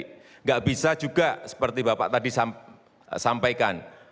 tidak bisa juga seperti bapak tadi sampaikan